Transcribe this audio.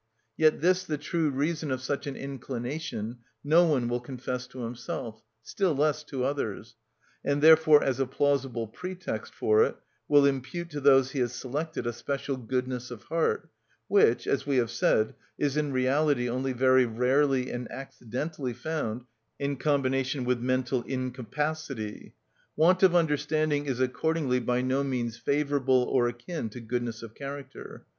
Yet this the true reason of such an inclination no one will confess to himself, still less to others; and therefore, as a plausible pretext for it, will impute to those he has selected a special goodness of heart, which, as we have said, is in reality only very rarely and accidentally found in combination with mental incapacity. Want of understanding is accordingly by no means favourable or akin to goodness of character.